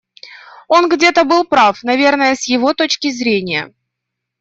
Он где-то был прав, наверное, с его точки зрения.